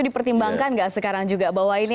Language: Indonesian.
dipertimbangkan nggak sekarang juga bahwa ini